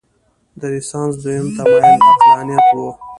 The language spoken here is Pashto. د رنسانس دویم تمایل عقلانیت و.